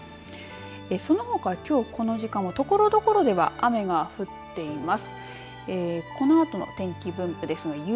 そのほかきょうこの時間はところどころでは雨が降っています。